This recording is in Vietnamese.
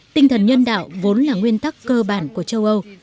tinh thần nhân đạo vốn là nguyên tắc cơ bản của châu âu